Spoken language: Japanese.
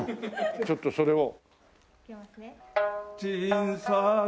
ちょっとそれを。